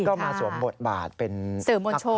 ก็มาสวมบทบาทเป็นสื่อมวลชน